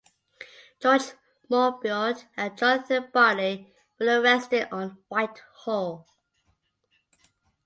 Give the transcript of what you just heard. George Monbiot and Jonathan Bartley were arrested on Whitehall.